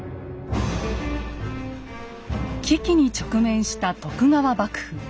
危機に直面した徳川幕府。